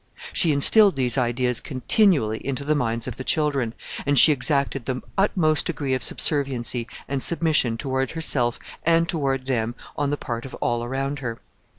She instilled these ideas continually into the minds of the children, and she exacted the utmost degree of subserviency and submission toward herself and toward them on the part of all around her.